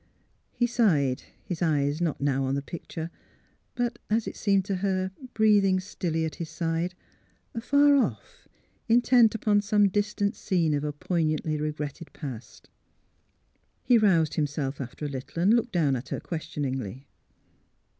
He sighed, his eyes not now upon the joicture, but — as it seemed to her, breathing stilly at his side — afar off, intent upon some distant scene of a poignantly regretted past. He roused himself after a little and looked down at her questioningly.